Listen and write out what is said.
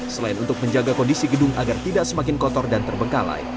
selain untuk menjaga kondisi gedung agar tidak semakin kotor dan terbengkalai